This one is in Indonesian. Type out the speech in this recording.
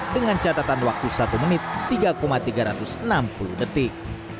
dengan catatan waktu satu menit tiga tiga ratus enam puluh detik